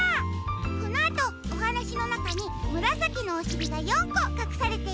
このあとおはなしのなかにむらさきのおしりが４こかくされているよ。